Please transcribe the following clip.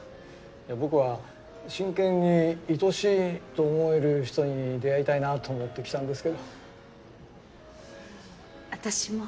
いや僕は真剣にいとしいと思える人に出会いたいなと思って来たんですけど。あたしも。